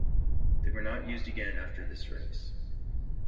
They were not used again after this race.